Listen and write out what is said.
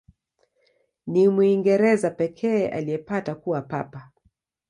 Ni Mwingereza pekee aliyepata kuwa Papa.